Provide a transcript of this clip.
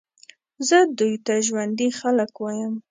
زه دوی ته ژوندي خلک وایم.